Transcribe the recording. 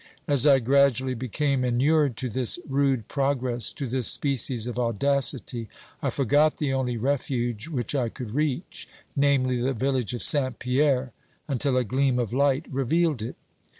As I gradually became inured to this rude progress, to this species of audacity, I forgot the only refuge which I could reach, namely, the village of Saint Pierre, until a gleam of light revealed it.